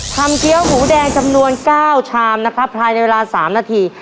ฝ่ามเทียมหูแดงจำนวน๙ชามนะคะภายในเวลา๓นาที